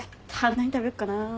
何食べよっかなぁ。